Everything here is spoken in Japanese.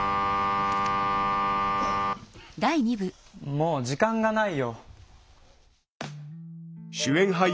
もう時間がないよ。